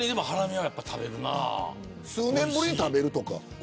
数年ぶりに食べるとか。